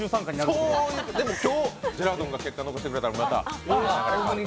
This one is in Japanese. でも今日、ジェラードンが結果を残してくれたらまた。